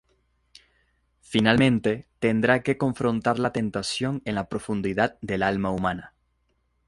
Finalmente tendrá que confrontar la tentación en la profundidad del alma humana.